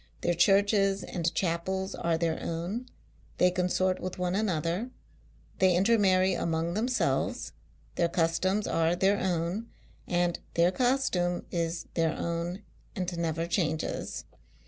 Their churches and chapels are their own ; consort with one another, they inter marry among themselves, their customs are their own, and their costume is their own and never changes.